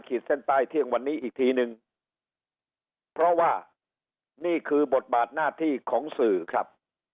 เส้นใต้เที่ยงวันนี้อีกทีนึงเพราะว่านี่คือบทบาทหน้าที่ของสื่อครับ